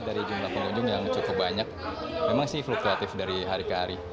dari jumlah pengunjung yang cukup banyak memang sih fluktuatif dari hari ke hari